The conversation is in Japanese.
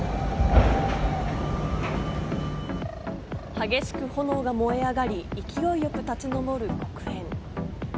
激しく炎が燃え上がり、勢いよく立ち上る黒煙。